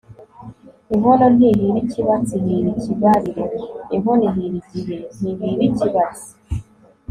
inkono ntihira ikibatsi ihira ikibariro (inkono ihira igihe, ntihira ikibatsi)